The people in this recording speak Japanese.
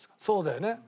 そうだよね。